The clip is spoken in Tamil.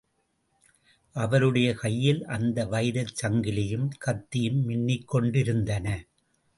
அவருடைய கையில் அந்த வைரச் சங்கிலியும் கத்தியும் மின்னிக்கொண்டிருந்தன.